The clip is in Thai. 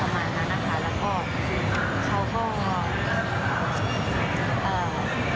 แล้วคนนั้นก็บอกว่าขอโทษครับก็คือแต่ขอโทษอันนี้คือเราก็ไม่รู้น่ะผม